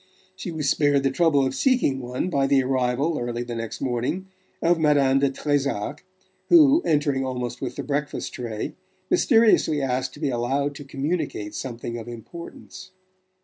She was spared the trouble of seeking one by the arrival, early the next morning, of Madame de Trezac, who, entering almost with the breakfast tray, mysteriously asked to be allowed to communicate something of importance.